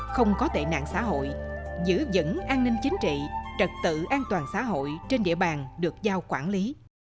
không có tệ nạn xã hội giữ vững an ninh chính trị trật tự an toàn xã hội trên địa bàn được giao quản lý